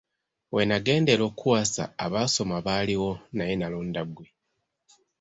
We nagendera okukuwasa abaasoma baaliwo, naye nalonda ggwe.